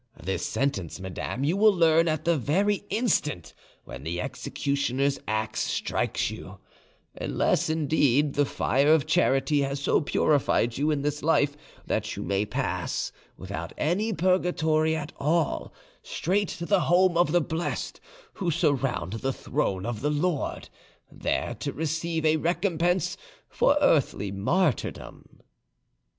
This sentence, madame, you will learn at the very instant when the executioner's axe strikes you; unless, indeed, the fire of charity has so purified you in this life that you may pass, without any purgatory at all, straight to the home of the blessed who surround the throne of the Lord, there to receive a recompense for earthly martyrdom."